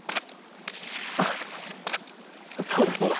あっそうだそうだ。